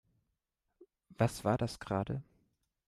Was war das gerade?